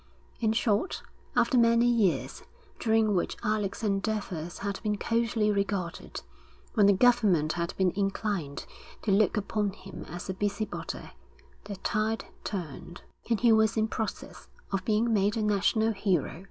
In short, after many years during which Alec's endeavours had been coldly regarded, when the government had been inclined to look upon him as a busybody, the tide turned; and he was in process of being made a national hero.